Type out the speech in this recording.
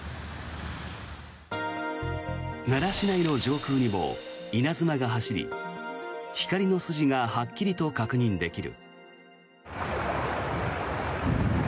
奈良市内の上空にも稲妻が走り光の筋がはっきりと確認できる。